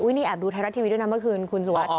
นี่แอบดูไทยรัฐทีวีด้วยนะเมื่อคืนคุณสุวัสดิ